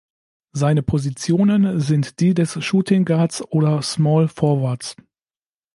Seine Positionen sind die des Shooting Guards oder Small Forwards.